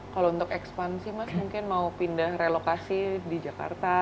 kalau untuk ekspansi mas mungkin mau pindah relokasi di jakarta